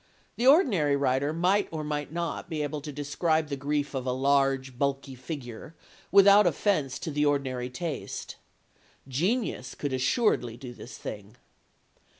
The ordinary writer might or might not be able to describe the grief of "a large, bulky figure" without offence to the ordinary "taste." Genius could assuredly do this thing.